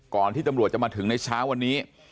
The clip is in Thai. ที่ตำรวจจะมาถึงในเช้าวันนี้